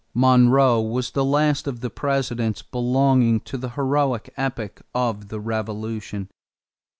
Monroe was the last of the Presidents belonging to the heroic epoch of the Revolution.